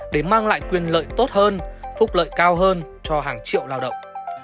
để mang lại quyền lợi tốt hơn phúc lợi cao hơn cho hàng triệu lao động